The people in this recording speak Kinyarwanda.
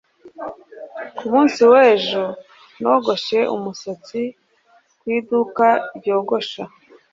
ku munsi w'ejo, nogoshe umusatsi ku iduka ryogosha